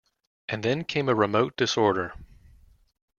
And then came a remote disorder.